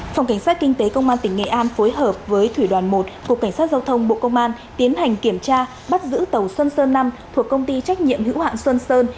phòng cảnh sát kinh tế công an tỉnh nghệ an phối hợp với thủy đoàn một cục cảnh sát giao thông bộ công an tiến hành kiểm tra bắt giữ tàu xuân sơn năm thuộc công ty trách nhiệm hữu hạn xuân sơn